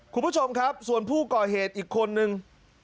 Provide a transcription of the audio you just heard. คุณผู้ชมครับส่วนผู้ก่อเหตุอีกคนนึง